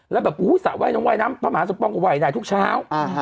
แล้วแบบสระไหว้ต้องไหว้น้ำพระมหาสปองก็ไหว้ได้ทุกเช้า